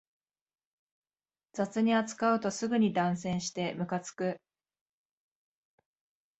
雑に扱うとすぐに断線してムカつく